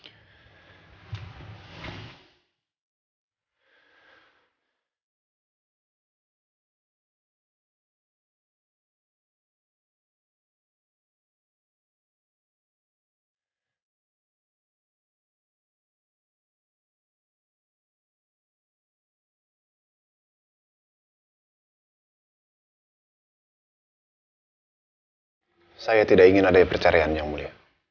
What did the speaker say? untuk menghadap di persidangan ini